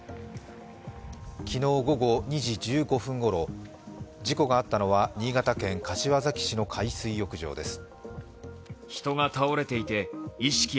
昨日午後２時１５分ごろ、事故があったのは、新潟県柏崎市の海水浴場です。